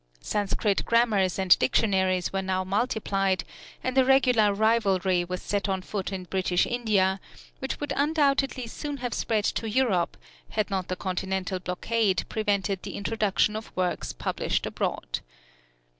Sanskrit grammars and dictionaries were now multiplied, and a regular rivalry was set on foot in British India, which would undoubtedly soon have spread to Europe, had not the continental blockade prevented the introduction of works published abroad.